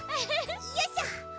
よいしょ。